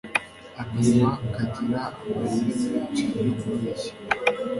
akanwa kagira amayeri menshi yo kubeshya